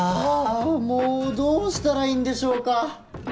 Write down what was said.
もうどうしたらいいんでしょうか。